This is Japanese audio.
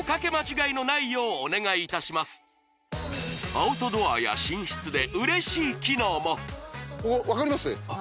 アウトドアや寝室で嬉しい機能も分かります？